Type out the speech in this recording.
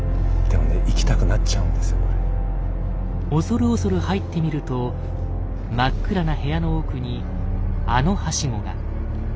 恐る恐る入ってみると真っ暗な部屋の奥にあのハシゴが。